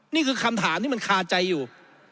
นี่คือคำถามที่มันคาใจอยู่